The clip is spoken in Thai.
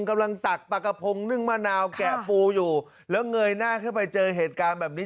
ตักปลากระพงนึ่งมะนาวแกะปูอยู่แล้วเงยหน้าขึ้นไปเจอเหตุการณ์แบบนี้